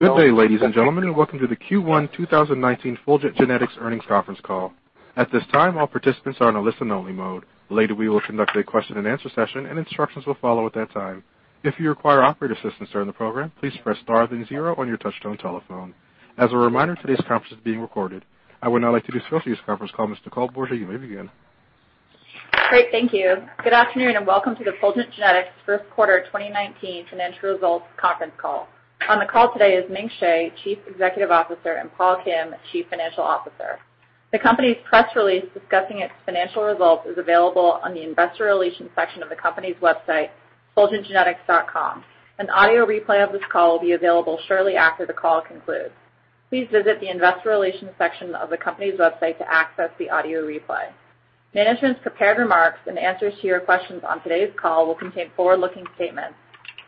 Good day, ladies and gentlemen, and welcome to the Q1 2019 Fulgent Genetics Earnings Conference Call. At this time, all participants are in a listen only mode. Later, we will conduct a question and answer session, and instructions will follow at that time. If you require operator assistance during the program, please press star then zero on your touchtone telephone. As a reminder, today's conference is being recorded. I would now like to introduce Fulgent's conference callist. Nicole Borsje, you may begin. Great, thank you. Good afternoon and welcome to the Fulgent Genetics first quarter 2019 financial results conference call. On the call today is Ming Hsieh, Chief Executive Officer, and Paul Kim, Chief Financial Officer. The company's press release discussing its financial results is available on the investor relations section of the company's website, fulgentgenetics.com. An audio replay of this call will be available shortly after the call concludes. Please visit the investor relations section of the company's website to access the audio replay. Management's prepared remarks and answers to your questions on today's call will contain forward-looking statements.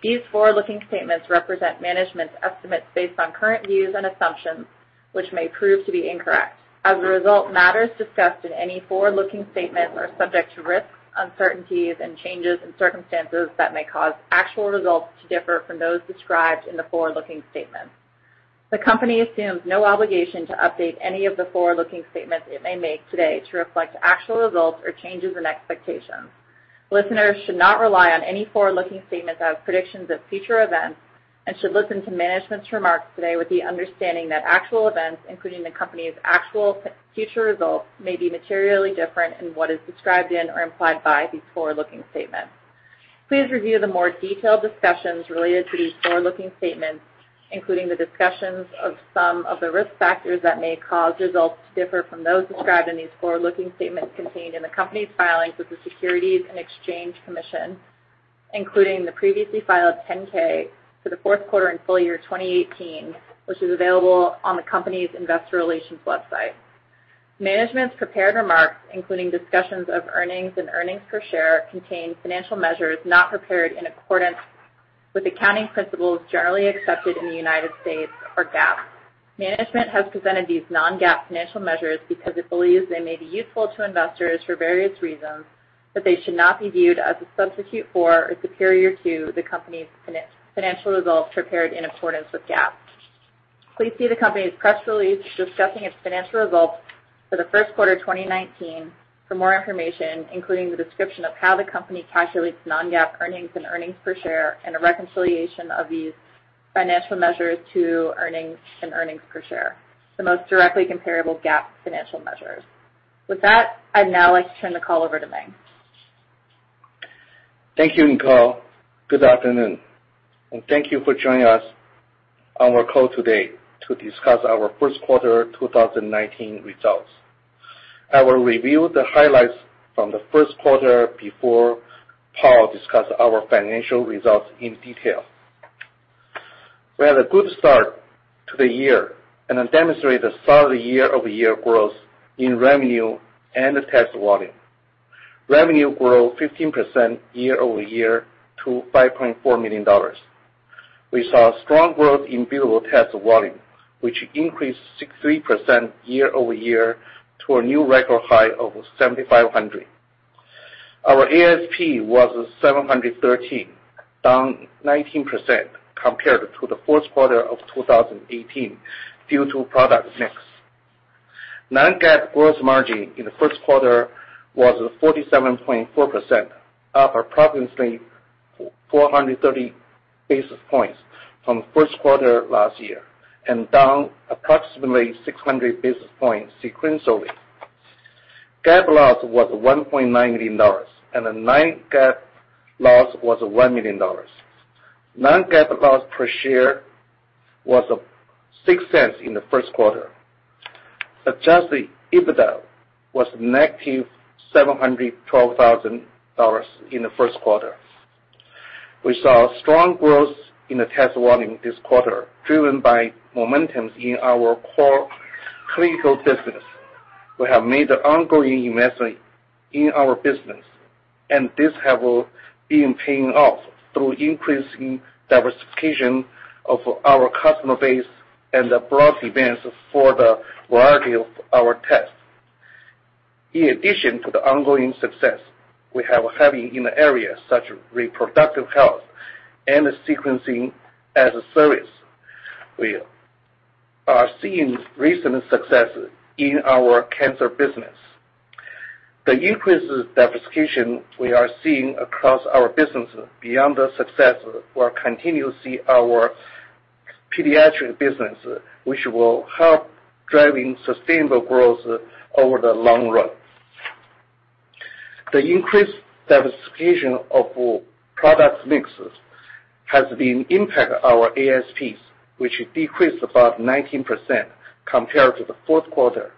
These forward-looking statements represent management's estimates based on current views and assumptions, which may prove to be incorrect. As a result, matters discussed in any forward-looking statement are subject to risks, uncertainties, and changes in circumstances that may cause actual results to differ from those described in the forward-looking statements. The company assumes no obligation to update any of the forward-looking statements it may make today to reflect actual results or changes in expectations. Listeners should not rely on any forward-looking statements as predictions of future events and should listen to management's remarks today with the understanding that actual events, including the company's actual future results, may be materially different in what is described in or implied by these forward-looking statements. Please review the more detailed discussions related to these forward-looking statements, including the discussions of some of the risk factors that may cause results to differ from those described in these forward-looking statements contained in the company's filings with the Securities and Exchange Commission, including the previously filed 10-K for the fourth quarter and full year 2018, which is available on the company's investor relations website. Management's prepared remarks, including discussions of earnings and earnings per share, contain financial measures not prepared in accordance with accounting principles generally accepted in the United States or GAAP. Management has presented these non-GAAP financial measures because it believes they may be useful to investors for various reasons, but they should not be viewed as a substitute for or superior to the company's financial results prepared in accordance with GAAP. Please see the company's press release discussing its financial results for the first quarter 2019 for more information, including the description of how the company calculates non-GAAP earnings and earnings per share, and a reconciliation of these financial measures to earnings and earnings per share, the most directly comparable GAAP financial measures. With that, I'd now like to turn the call over to Ming. Thank you, Nicole. Good afternoon and thank you for joining us on our call today to discuss our first quarter 2019 results. I will review the highlights from the first quarter before Paul discuss our financial results in detail. We had a good start to the year and demonstrate a solid year-over-year growth in revenue and the test volume. Revenue grew 15% year-over-year to $5.4 million. We saw strong growth in billable test volume, which increased 63% year-over-year to a new record high of 7,500. Our ASP was $713, down 19% compared to the fourth quarter of 2018 due to product mix. Non-GAAP gross margin in the first quarter was 47.4%, up approximately 430 basis points from first quarter last year and down approximately 600 basis points sequentially. GAAP loss was $1.9 million, the Non-GAAP loss was $1 million. Non-GAAP loss per share was $0.06 in the first quarter. Adjusted EBITDA was negative $712,000 in the first quarter. We saw strong growth in the test volume this quarter, driven by momentum in our core clinical business. We have made an ongoing investment in our business, this have been paying off through increasing diversification of our customer base and the broad demands for the variety of our tests. In addition to the ongoing success we are having in the areas such as reproductive health and sequencing as a service, we are seeing recent success in our cancer business. The increased diversification we are seeing across our business beyond the success will continue to see our pediatric business, which will help driving sustainable growth over the long run. The increased diversification of product mixes has been impact our ASPs, which decreased about 19% compared to the fourth quarter.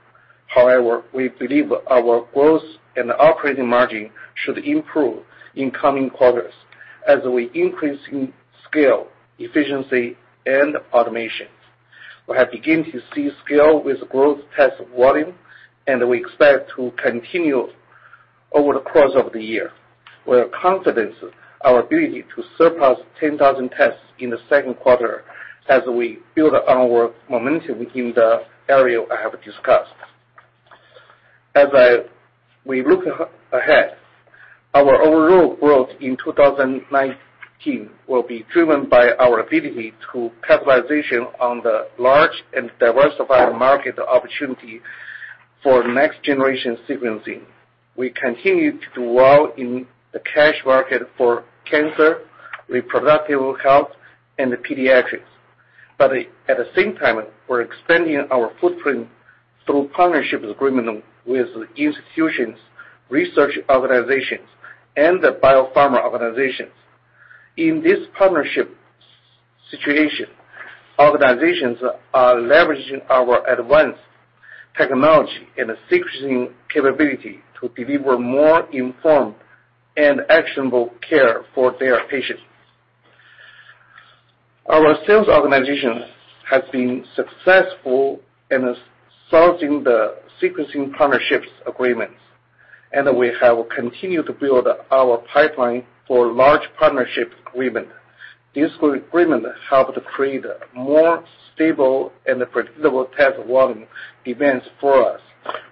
We believe our growth and operating margin should improve in coming quarters as we increase in scale, efficiency, and automation. We have begun to see scale with growth test volume, we expect to continue over the course of the year. We are confident our ability to surpass 10,000 tests in the second quarter as we build our momentum in the area I have discussed. We look ahead, our overall growth in 2019 will be driven by our ability to capitalization on the large and diversified market opportunity for next generation sequencing. We continue to do well in the cash market for cancer, reproductive health, and pediatrics. At the same time, we're expanding our footprint through partnerships agreement with institutions, research organizations, and the biopharma organizations. In this partnership situation, organizations are leveraging our advanced technology and sequencing capability to deliver more informed and actionable care for their patients. Our sales organization has been successful in sourcing the sequencing partnerships agreements, we have continued to build our pipeline for large partnership agreement. These agreement help to create a more stable and predictable test volume demands for us,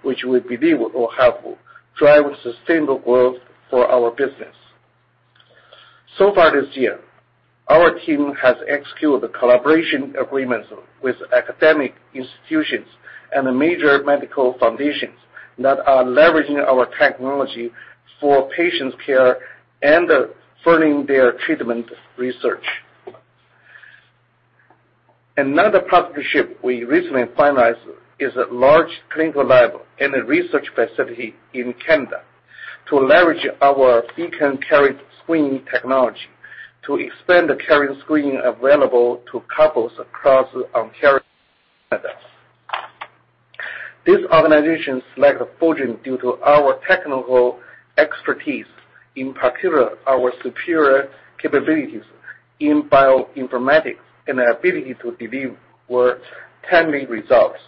which we believe will help drive sustainable growth for our business. Far this year, our team has executed collaboration agreements with academic institutions and major medical foundations that are leveraging our technology for patients' care and furthering their treatment research. Another partnership we recently finalized is a large clinical lab and a research facility in Canada to leverage our Beacon carrier screening technology to expand the carrier screening available to couples across Ontario, Canada. These organizations like Fulgent due to our technical expertise, in particular, our superior capabilities in bioinformatics and ability to deliver timely results.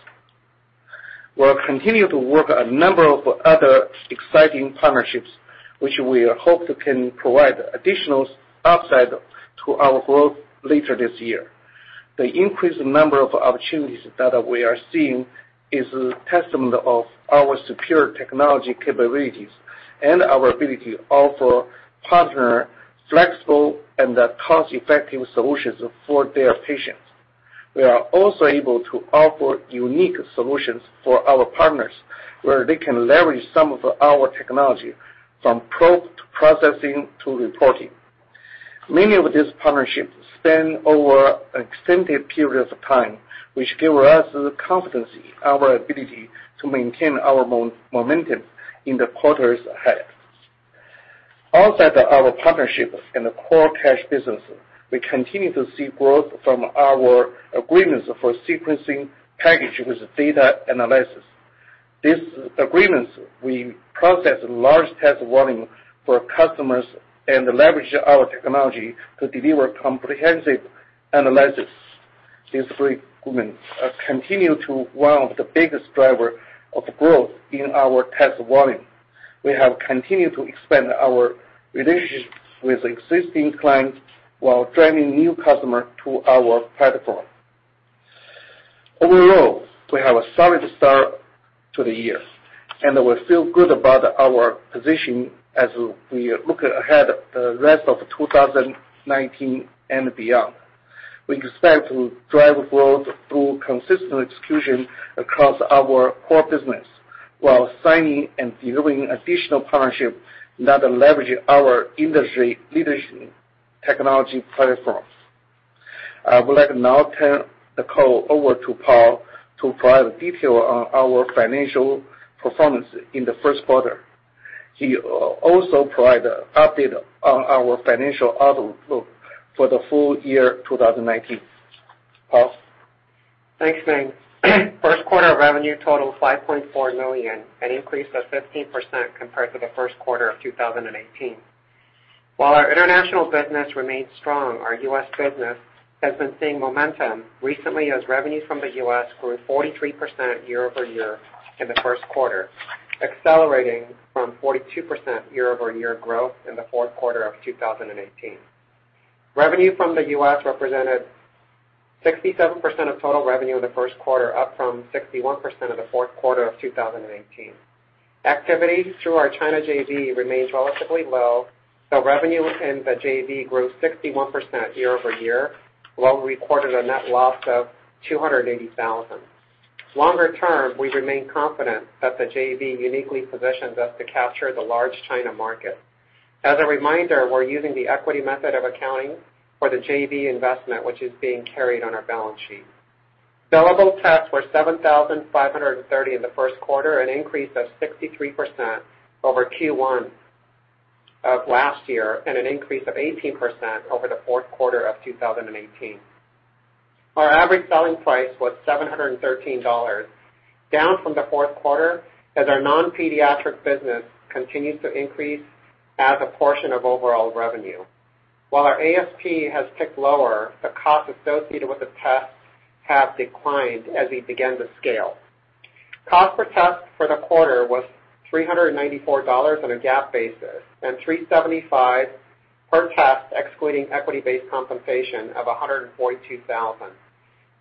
We'll continue to work a number of other exciting partnerships, which we hope can provide additional upside to our growth later this year. The increased number of opportunities that we are seeing is a testament of our superior technology capabilities and our ability to offer partner flexible and cost-effective solutions for their patients. We are also able to offer unique solutions for our partners, where they can leverage some of our technology from processing to reporting. Many of these partnerships span over extended periods of time, which give us the confidence in our ability to maintain our momentum in the quarters ahead. Outside our partnerships in the core cash business, we continue to see growth from our agreements for sequencing package with data analysis. These agreements, we process large test volume for customers and leverage our technology to deliver comprehensive analysis. These three agreements continue to one of the biggest driver of growth in our test volume. We have continued to expand our relationships with existing clients while driving new customer to our platform. Overall, we have a solid start to the year, and we feel good about our position as we look ahead the rest of 2019 and beyond. We expect to drive growth through consistent execution across our core business while signing and delivering additional partnership that leverage our industry leadership technology platforms. I would like now turn the call over to Paul to provide detail on our financial performance in the first quarter. He also provide update on our financial outlook for the full year 2019. Paul? Thanks, Ming. First quarter revenue total $5.4 million, an increase of 15% compared to the first quarter of 2018. While our international business remains strong, our U.S. business has been seeing momentum recently as revenues from the U.S. grew 43% year over year in the first quarter, accelerating from 42% year over year growth in the fourth quarter of 2018. Revenue from the U.S. represented 67% of total revenue in the first quarter, up from 61% of the fourth quarter of 2018. Activities through our China JV remains relatively low, so revenue in the JV grew 61% year over year, while we recorded a net loss of $280,000. Longer term, we remain confident that the JV uniquely positions us to capture the large China market. As a reminder, we're using the equity method of accounting for the JV investment, which is being carried on our balance sheet. Billable tests were 7,530 in the first quarter, an increase of 63% over Q1 of last year and an increase of 18% over the fourth quarter of 2018. Our average selling price was $713, down from the fourth quarter as our non-pediatric business continues to increase as a portion of overall revenue. While our ASP has ticked lower, the cost associated with the tests have declined as we begin to scale. Cost per test for the quarter was $394 on a GAAP basis, and $375 per test excluding equity-based compensation of $142,000.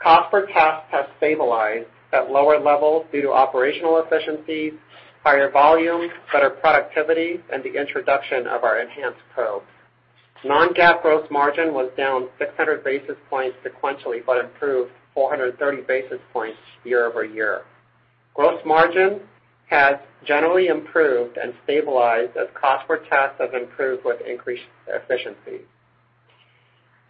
Cost per test has stabilized at lower levels due to operational efficiencies, higher volume, better productivity, and the introduction of our enhanced probes. Non-GAAP gross margin was down 600 basis points sequentially, improved 430 basis points year-over-year. Gross margin has generally improved and stabilized as cost per test has improved with increased efficiency.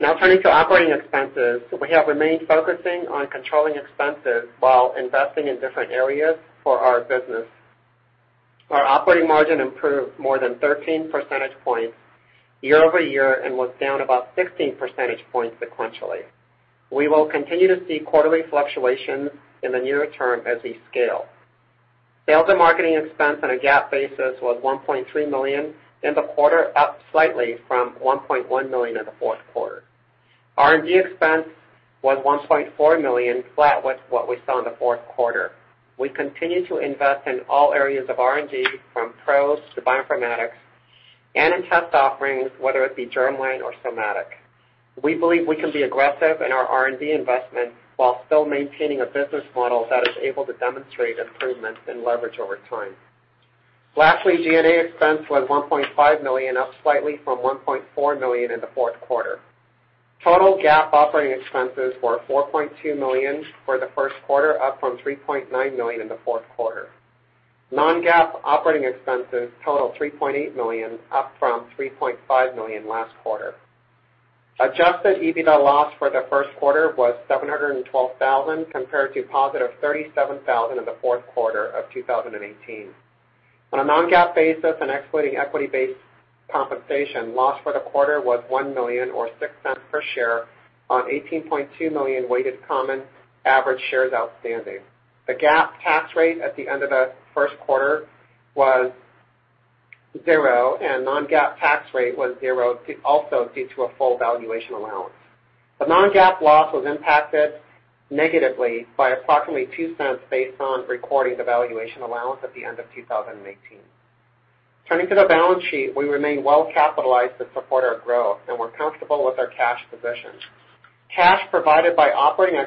Now turning to operating expenses. We have remained focusing on controlling expenses while investing in different areas for our business. Our operating margin improved more than 13 percentage points year-over-year and was down about 16 percentage points sequentially. We will continue to see quarterly fluctuations in the near term as we scale. Sales and marketing expense on a GAAP basis was $1.3 million in the quarter, up slightly from $1.1 million in the fourth quarter. R&D expense was $1.4 million, flat with what we saw in the fourth quarter. We continue to invest in all areas of R&D, from probes to bioinformatics and in test offerings, whether it be germline or somatic. We believe we can be aggressive in our R&D investment while still maintaining a business model that is able to demonstrate improvements in leverage over time. Lastly, G&A expense was $1.5 million, up slightly from $1.4 million in the fourth quarter. Total GAAP operating expenses were $4.2 million for the first quarter, up from $3.9 million in the fourth quarter. Non-GAAP operating expenses totaled $3.8 million, up from $3.5 million last quarter. Adjusted EBITDA loss for the first quarter was $712,000 compared to positive $37,000 in the fourth quarter of 2018. On a non-GAAP basis and excluding equity-based compensation, loss for the quarter was $1 million or $0.06 per share on 18.2 million weighted common average shares outstanding. The GAAP tax rate at the end of the first quarter was zero, and non-GAAP tax rate was zero, also due to a full valuation allowance. The non-GAAP loss was impacted negatively by approximately $0.02 based on recording the valuation allowance at the end of 2018. Turning to the balance sheet, we remain well capitalized to support our growth, and we're comfortable with our cash position. Cash provided by operating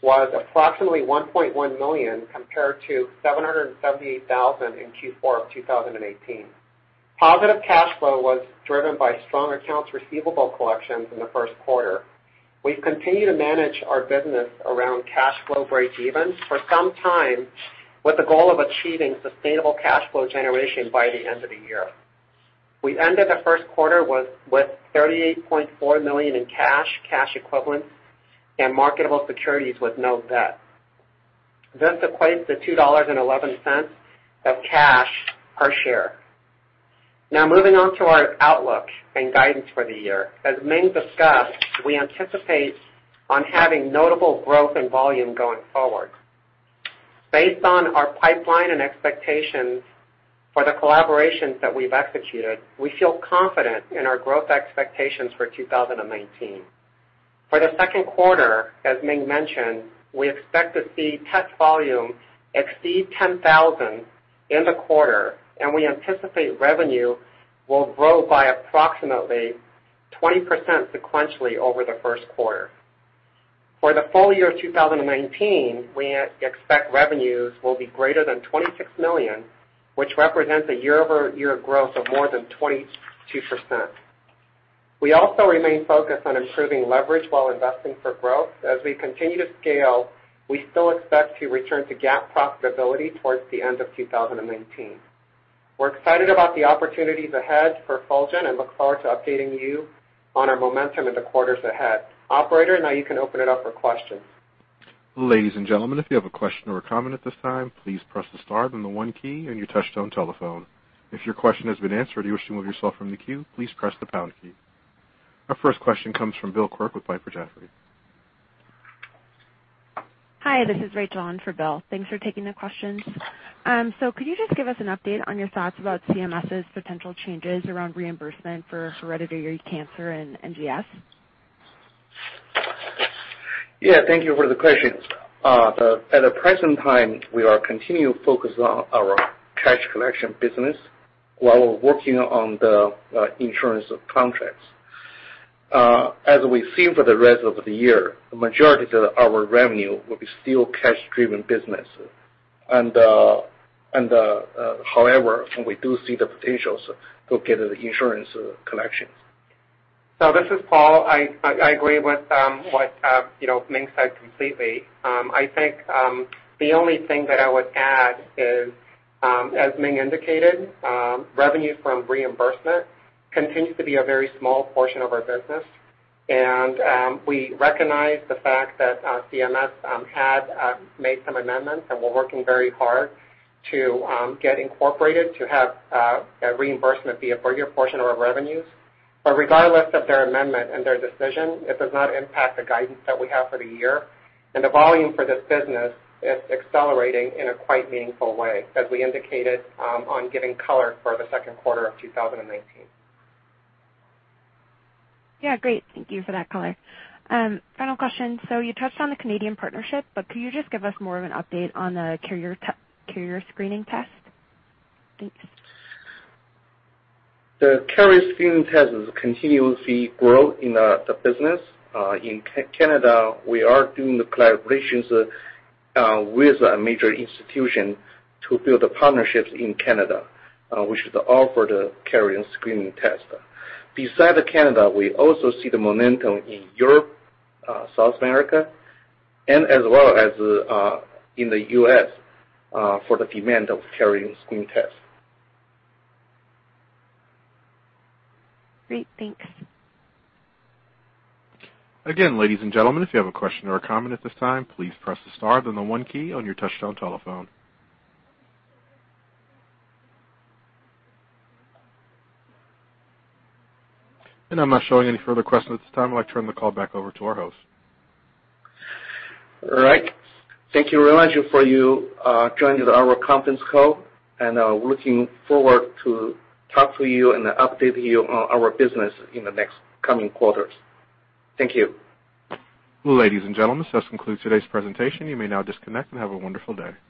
activities was approximately $1.1 million, compared to $778,000 in Q4 of 2018. Positive cash flow was driven by strong accounts receivable collections in the first quarter. We've continued to manage our business around cash flow breakeven for some time, with the goal of achieving sustainable cash flow generation by the end of the year. We ended the first quarter with $38.4 million in cash equivalents, and marketable securities with no debt. This equates to $2.11 of cash per share. Now moving on to our outlook and guidance for the year. As Ming discussed, we anticipate on having notable growth and volume going forward. Based on our pipeline and expectations for the collaborations that we've executed, we feel confident in our growth expectations for 2019. For the second quarter, as Ming mentioned, we expect to see test volume exceed 10,000 in the quarter, and we anticipate revenue will grow by approximately 20% sequentially over the first quarter. For the full year 2019, we expect revenues will be greater than $26 million, which represents a year-over-year growth of more than 22%. We also remain focused on improving leverage while investing for growth. As we continue to scale, we still expect to return to GAAP profitability towards the end of 2019. We're excited about the opportunities ahead for Fulgent and look forward to updating you on our momentum in the quarters ahead. Operator, now you can open it up for questions. Ladies and gentlemen, if you have a question or a comment at this time, please press the star then the one key on your touchtone telephone. If your question has been answered or you wish to remove yourself from the queue, please press the pound key. Our first question comes from Bill Quirk with Piper Jaffray. Hi, this is Rachel on for Bill. Thanks for taking the questions. Could you just give us an update on your thoughts about CMS's potential changes around reimbursement for hereditary cancer and NGS? Yeah, thank you for the question. At the present time, we are continuing to focus on our cash collection business while working on the insurance contracts. As we see for the rest of the year, the majority of our revenue will be still cash-driven business. However, we do see the potential to get insurance collections. This is Paul. I agree with what Ming said completely. I think the only thing that I would add is, as Ming indicated, revenue from reimbursement continues to be a very small portion of our business. We recognize the fact that CMS had made some amendments. We're working very hard to get incorporated to have reimbursement be a bigger portion of our revenues. Regardless of their amendment and their decision, it does not impact the guidance that we have for the year. The volume for this business is accelerating in a quite meaningful way, as we indicated on giving color for the second quarter of 2019. Yeah, great. Thank you for that color. Final question. You touched on the Canadian partnership, but could you just give us more of an update on the carrier screening test? Thanks. The carrier screening test is continuously growing in the business. In Canada, we are doing the collaborations with a major institution to build the partnerships in Canada, which is to offer the carrier screening test. Besides Canada, we also see the momentum in Europe, South America, and as well as in the U.S. for the demand of carrier screening test. Great. Thanks. Again, ladies and gentlemen, if you have a question or a comment at this time, please press the star then the one key on your touch-tone telephone. I'm not showing any further questions at this time. I'd like to turn the call back over to our call host. All right. Thank you very much for you joining our conference call, and looking forward to talk to you and update you on our business in the next coming quarters. Thank you. Ladies and gentlemen, this concludes today's presentation. You may now disconnect and have a wonderful day.